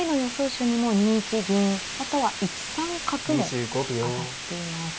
手にも２一銀または１三角も挙がっています。